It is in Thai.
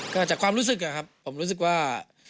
ก็จากความรู้สึกอะครับผมรู้สึกว่า